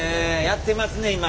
やってますね今！